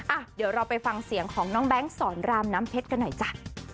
อ่ะเดี๋ยวเราไปฟังเสียงของน้องแบงค์สอนรามน้ำเพชรกันหน่อยจ้ะ